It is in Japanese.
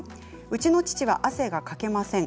うちの父は汗がかけません。